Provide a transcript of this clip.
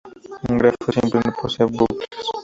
Un grafo simple no posee bucles.